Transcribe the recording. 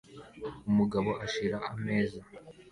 Umugabo ashyira ameza